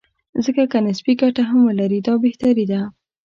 ځکه که نسبي ګټه هم ولري، دا بهتري ده.